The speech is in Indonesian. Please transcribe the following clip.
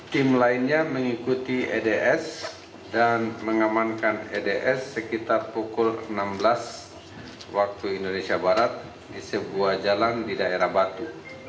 tim lainnya mengikuti eds dan mengamankan eds sekitar pukul enam belas waktu indonesia barat di sebuah jalan di daerah batu